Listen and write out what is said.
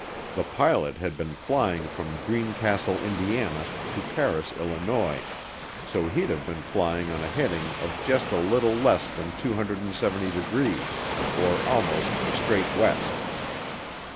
The pilot had been flying from Greencastle, Indiana, to Paris, Illinois, so he'd have been flying on a heading of just a little less than 270 degrees, or almost straight west.